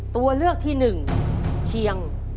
ตัวเลือกที่หนึ่งเชียง